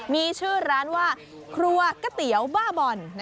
มีชื่อร้านว่าครัวก๋วยเตี๋ยวบ้าบอล